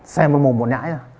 xem mồm một nhãi